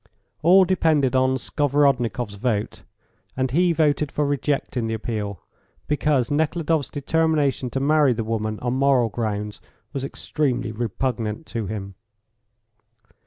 All depended on Skovorodnikoff's vote, and he voted for rejecting the appeal, because Nekhludoff's determination to marry the woman on moral grounds was extremely repugnant to him.